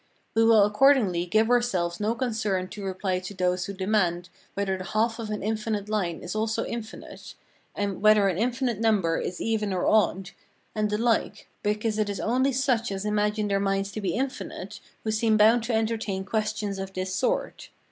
We will accordingly give ourselves no concern to reply to those who demand whether the half of an infinite line is also infinite, and whether an infinite number is even or odd, and the like, because it is only such as imagine their minds to be infinite who seem bound to entertain questions of this sort.